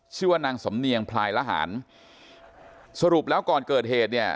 ชื่อว่านางสำเนียงพลายละหารสรุปแล้วก่อนเกิดเหตุเนี่ย